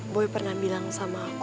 boy pernah bilang sama aku